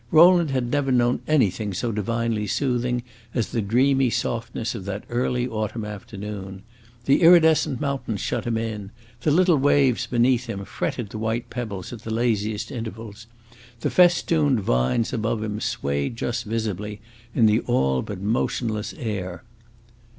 Rowland had never known anything so divinely soothing as the dreamy softness of that early autumn afternoon. The iridescent mountains shut him in; the little waves, beneath him, fretted the white pebbles at the laziest intervals; the festooned vines above him swayed just visibly in the all but motionless air.